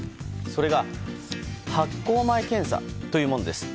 それが発航前検査というものです。